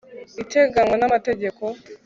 iteganywa n'amategeko